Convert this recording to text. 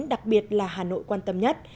đặc biệt là hà nội quan tâm nhất